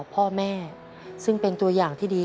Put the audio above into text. พ่อแม่ซึ่งเป็นตัวอย่างที่ดี